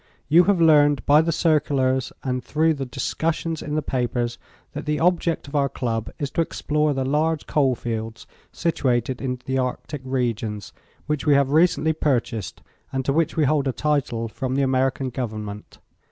You have learned by the circulars and through the discussions in the papers that the object of our Club is to explore the large coal fields situated in the Arctic regions, which we have recently purchased and to which we hold a title from the American Government.